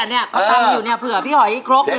เขาทำอยู่เนี่ยเผื่อพี่หอยครบหนึ่ง